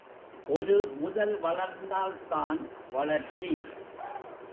ஒருமுதல் வளர்ந்தால்தான் வளர்ச்சி.